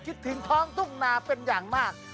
คิดถึงท้องทุ่งนาเป็นอย่างมาก